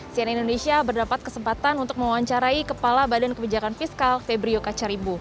sian indonesia berdapat kesempatan untuk mewawancarai kepala badan kebijakan fiskal febrio kacaribu